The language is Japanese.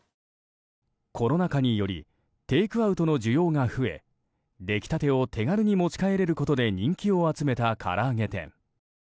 コロナ禍によりテイクアウトの需要が増え出来たてを手軽に持ち帰れることで人気を集めたから揚げ店。